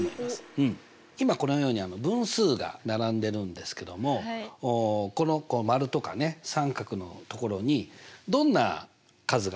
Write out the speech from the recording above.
今このように分数が並んでるんですけどもこの丸とかね三角の所にどんな数が入るかな？